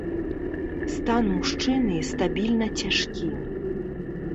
Стан мужчыны стабільна цяжкі.